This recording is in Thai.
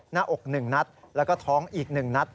หน้าอก๑นัดแล้วก็ท้องอีก๑นัด